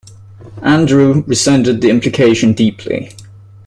Andrew resented the implication deeply.